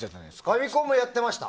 ファミコンもやってました。